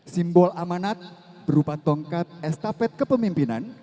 simbol amanat berupa tongkat estafet kepemimpinan